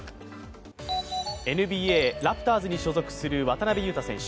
ＮＢＡ・ラプターズに所属する渡邊雄太選手。